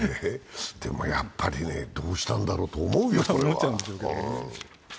でもやっぱりね、どうしたんだろうと思うよ、それは。